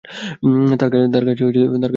তার কাছে বন্দুক আছে।